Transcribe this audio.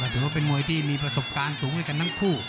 ถือว่าเป็นมวยที่มีประสบการณ์สูงด้วยกันทั้งคู่